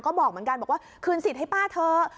ก็บอกเหมือนกันบอกว่าคืนสิทธิ์ให้ป้าเถอะ